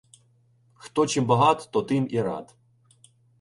Хто чим багат, то тим і рад.